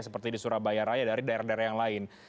seperti di surabaya raya dari daerah daerah yang lain